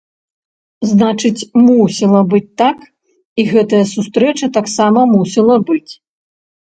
Значыць, мусіла быць так, і гэтая сустрэча таксама мусіла быць.